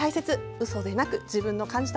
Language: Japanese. うそではなく、自分の感じた